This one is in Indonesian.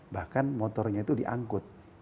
bahkan motornya itu diangkut